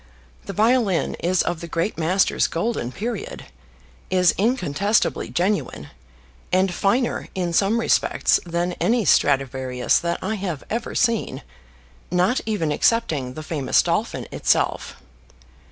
This violin is of the great master's golden period, is incontestably genuine, and finer in some respects than any Stradivarius that I have ever seen, not even excepting the famous Dolphin itself.